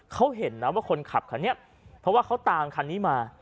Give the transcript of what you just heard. เขาเห็นนะว่าคนขับคันนี้เพราะว่าเขาตามคันนี้มา